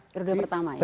periode pertama ya